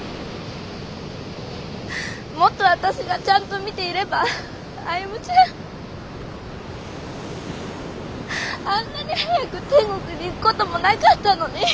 もっと私がちゃんと見ていれば歩ちゃんあんなに早く天国に行く事もなかったのに。